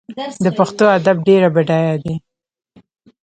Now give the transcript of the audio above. د پښتو ادب ډیر بډایه دی.